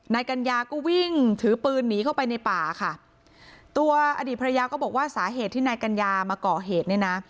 นายกัญญาก็วิ่งถือปืนหนีเข้าไปในป่าค่ะตัวอดีตภรรยาก็บอกว่าสาเหตุที่นายกัญญามาก่อเหตุเนี่ยนะ